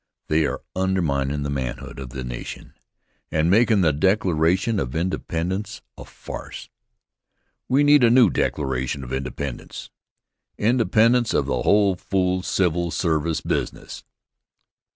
They are underminin' the manhood of the nation and makin' the Declaration of Independence a farce. We need a new Declaration of Independence, independence of the whole fool civil service business.